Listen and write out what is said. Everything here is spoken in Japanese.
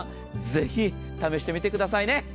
ぜひ試してみてくださいね。